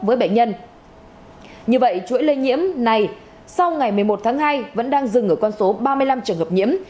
với bệnh nhân như vậy chuỗi lây nhiễm này sau ngày một mươi một tháng hai vẫn đang dừng ở con số ba mươi năm trường hợp nhiễm